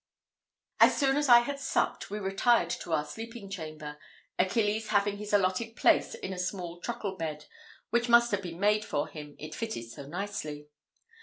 As soon as I had supped, we retired to our sleeping chamber, Achilles having his allotted place in a small truckle bed, which must have been made for him, it fitted so nicely.